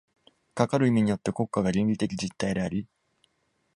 かかる意味において国家が倫理的実体であり、